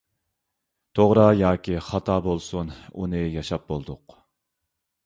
توغرا ياكى خاتا بولسۇن، ئۇنى ياشاپ بولدۇق.